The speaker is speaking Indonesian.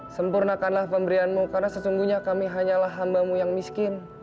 sempurnakanlah pemberianmu karena sesungguhnya kami hanyalah hambamu yang miskin